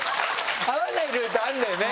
会わないルートあるんだよね